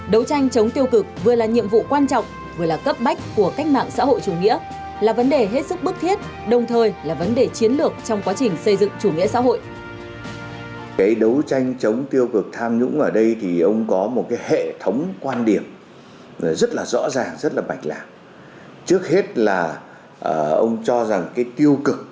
đấu tranh chống tiêu cực vừa là nhiệm vụ quan trọng vừa là cấp bách của cách mạng xã hội chủ nghĩa là vấn đề hết sức bức thiết đồng thời là vấn đề chiến lược trong quá trình xây dựng chủ nghĩa xã hội